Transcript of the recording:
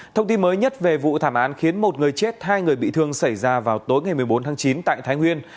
thông tin mới nhất về vụ thảm án khiến một người chết hai người bị thương xảy ra vào tối ngày một mươi bốn tháng chín tại thái nguyên